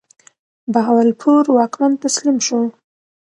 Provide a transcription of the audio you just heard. بهاولپور واکمن تسلیم شو.